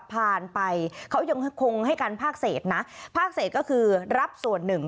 ผ่านไปเขายังคงให้การภาคเศษนะภาคเศษก็คือรับส่วนหนึ่ง